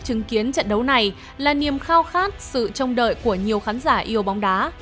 chứng kiến trận đấu này là niềm khao khát sự trông đợi của nhiều khán giả yêu bóng đá